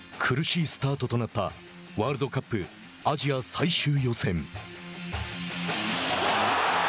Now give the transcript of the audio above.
苦しいスタートとなったワールドカップアジア最終予選。